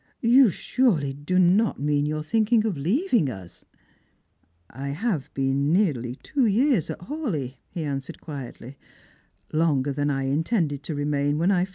" You surely do not mean that you are thinking of leaving us ?"" I have been nearly two years at Hawleigh," he answered quietly ; "longer than I intended to remain when I fir.